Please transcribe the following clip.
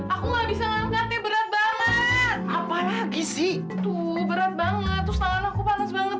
aku nggak bisa ngangkatnya berat banget apa lagi sih tuh berat banget terus anakku panas banget